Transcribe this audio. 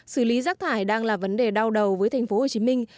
xử lý rác thải đang là vấn đề đau đầu với thành phố hồ chí minh